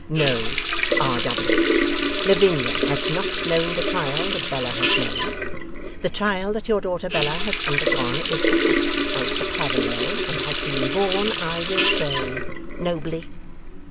'No, R. W. Lavinia has not known the trial that Bella has known. The trial that your daughter Bella has undergone, is, perhaps, without a parallel, and has been borne, I will say, Nobly.